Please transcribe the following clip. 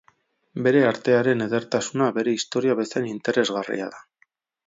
Bere artearen edertasuna bere historia bezain interesgarria da.